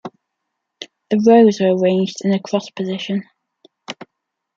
The rows are arranged in a cross position.